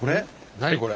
何これ？